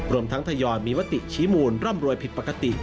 รวมทั้งทยอยมีมติชี้มูลร่ำรวยผิดปกติ